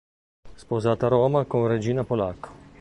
Sposato a Roma con Regina Polacco.